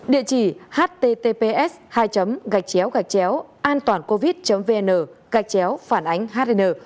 địa chỉ https hai gạch chéo gạch chéo antancovid vn gạch chéo phản ánh hn